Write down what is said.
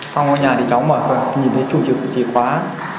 trong nhà thì cháu mở cửa nhìn thấy chủ trực chìa khóa